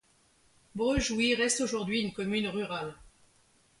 Breux-Jouy reste aujourd'hui une commune rurale.